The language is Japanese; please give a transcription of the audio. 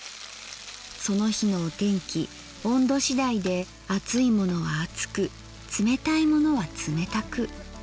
その日のお天気温度次第で熱いものは熱く冷たいものは冷たく。